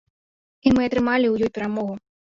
І мы атрымалі ў ёй перамогу.